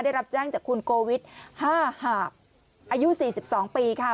ได้รับแจ้งจากคุณโกวิท๕หาบอายุ๔๒ปีค่ะ